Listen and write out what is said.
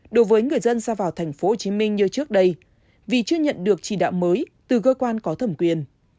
đối với người dân ra vào tp hcm như trước đây vì chưa nhận được chỉ đạo mới từ cơ quan có thẩm quyền